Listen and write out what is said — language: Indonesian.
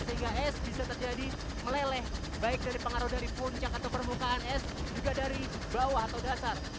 sehingga es bisa terjadi meleleh baik dari pengaruh dari puncak atau permukaan es juga dari bawah atau dasar